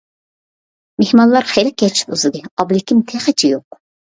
مېھمانلار خېلى كەچتە ئۇزىدى، ئابلىكىم تېخىچە يوق.